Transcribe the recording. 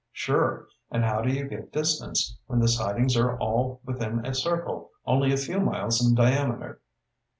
"Sure. And how do you get distance, when the sightings are all within a circle only a few miles in diameter?"